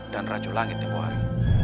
dan racu langit di buah hari